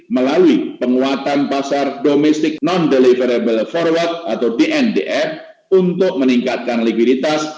melalui penguatan pasar domestic non deliverable forward atau dndf untuk meningkatkan likuiditas